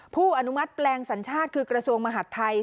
ผู้อนุมัติแปลงสัญชาติคือกระทรวงมหาดไทย